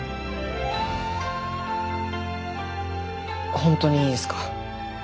本当にいいんすか？